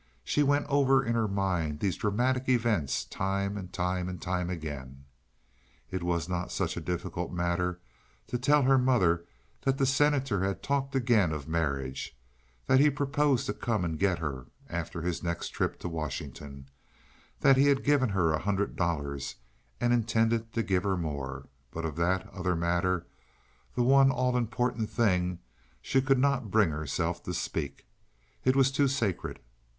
She went over in her mind these dramatic events time and time and time and again. It was not such a difficult matter to tell her mother that the Senator had talked again of marriage, that he proposed to come and get her after his next trip to Washington, that he had given her a hundred dollars and intended to give her more, but of that other matter—the one all important thing, she could not bring herself to speak. It was too sacred.